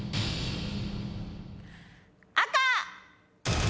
赤！